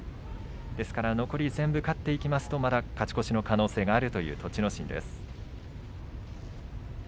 ですから残り全部勝っていきますと、まだ勝ち越しの可能性があるという栃ノ心です。